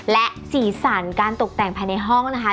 และสีสันการตกแต่งภายในห้องนะคะ